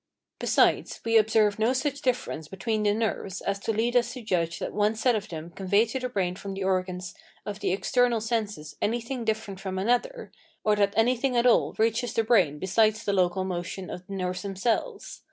Besides, we observe no such difference between the nerves as to lead us to judge that one set of them convey to the brain from the organs of the external senses anything different from another, or that anything at all reaches the brain besides the local motion of the nerves themselves.